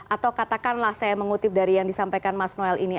atau katakanlah saya mengutip dari yang disampaikan mas noel ini